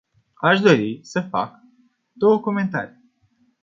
Aș dori să fac doar două comentarii.